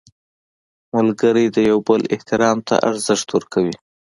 ملګری د یو بل احترام ته ارزښت ورکوي